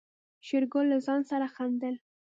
شېرګل له ځان سره خندل.